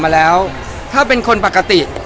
มาแล้วถ้าเป็นคนปกติ